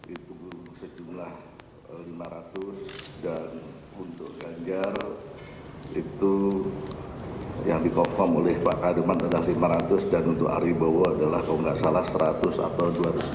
itu sejumlah lima ratus dan untuk ganjar itu yang di confirm oleh pak kadirman adalah lima ratus dan untuk ari bowo adalah kalau nggak salah seratus atau dua ratus